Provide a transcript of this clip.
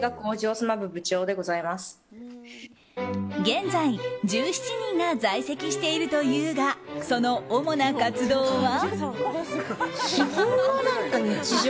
現在、１７人が在籍しているというがその主な活動は。